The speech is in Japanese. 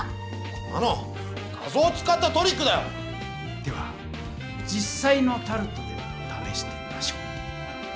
こんなの画ぞうを使ったトリックだよ！では実さいのタルトでためしてみましょう。